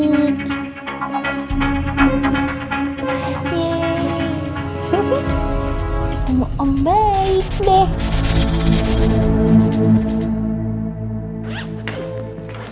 aku mau om baik deh